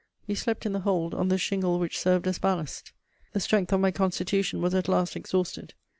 We slept in the hold, on the shingle which served as ballast. The strength of my constitution was at last exhausted.